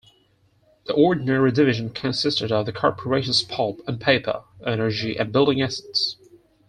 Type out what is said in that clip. The Ordinary Division consisted of the corporations pulp and paper, energy and building assets.